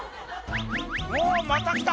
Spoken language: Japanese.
「おっまた来た！」